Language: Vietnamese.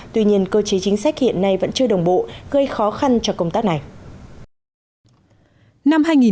tuy nhiên cơ chế chính sách hiện nay vẫn chưa đồng bộ gây khó khăn cho công tác này